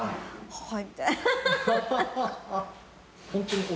はい。